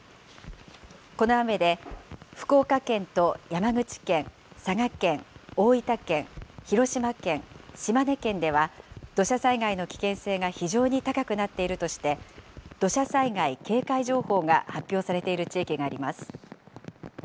この雨で福岡県と山口県、佐賀県、大分県、広島県、島根県では、土砂災害の危険性が非常に高くなっているとして、土砂災害警戒情報が発表されている地域があります。